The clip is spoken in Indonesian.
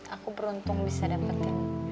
aku beruntung bisa dapetin